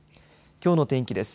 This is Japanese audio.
きょうの天気です。